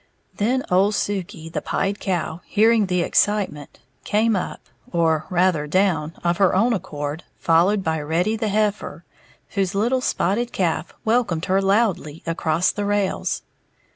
Then Ole Suke, the pied cow, hearing the excitement, came up, or rather, down, of her own accord, followed by Reddy the heifer, whose little spotted calf welcomed her loudly across the rails.